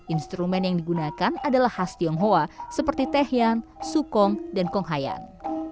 instrumen yang digunakan adalah khas tionghoa seperti tehian sukong dan konghayan